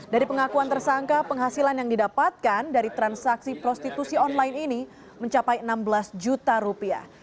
dari pengakuan tersangka penghasilan yang didapatkan dari transaksi prostitusi online ini mencapai enam belas juta rupiah